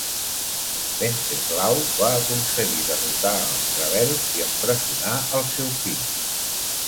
Venceslau va aconseguir derrotar els rebels i empresonar el seu fill.